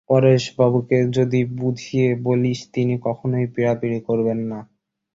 পরেশবাবুকে যদি বুঝিয়ে বলিস তিনি কখনোই পীড়াপীড়ি করবেন না।